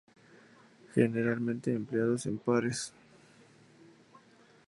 Generalmente empleados en pares.